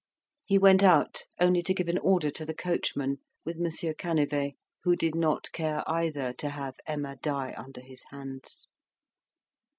He went out only to give an order to the coachman, with Monsieur Canivet, who did not care either to have Emma die under his hands.